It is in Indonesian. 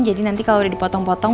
jadi nanti kalau udah dipotong potong